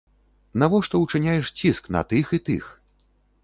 Навошта ўчыняеш ціск на тых і тых?